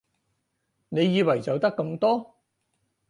你以為就得咁多？